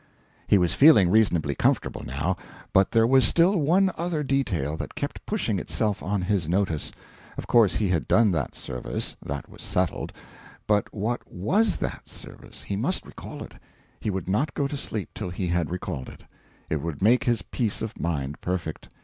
He was feeling reasonably comfortable now, but there was still one other detail that kept pushing itself on his notice: of course he had done that service that was settled; but what WAS that service? He must recall it he would not go to sleep till he had recalled it; it would make his peace of mind perfect.